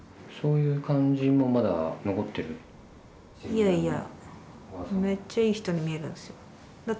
いやいや。